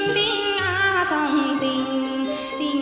đôi em đi